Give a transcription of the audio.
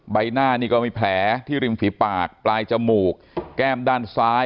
ใบหน้านี่ก็มีแผลที่ริมฝีปากปลายจมูกแก้มด้านซ้าย